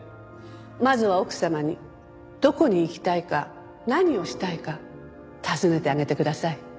まずは奥様にどこに行きたいか何をしたいか尋ねてあげてください。